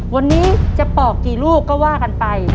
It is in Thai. วันนี้จะปอกกี่ลูกก็ว่ากันไป